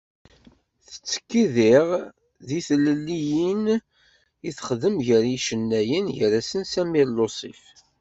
Tettekki diɣ deg teliliyin i texdem gar n yicennayen, gar-asen Samir Lusif.